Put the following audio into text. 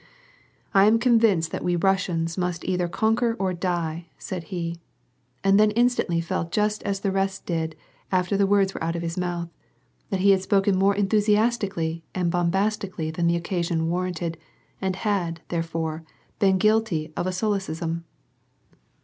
"I am convinced that we Kussians must eitlier conquer or die," said he, and then instantly felt just as the rest did, after the words were out of his mouth, tliat he had spoken more enthusiastically and bombastically than the occasion war ranted, and had, therefore, been guilty of a solecism.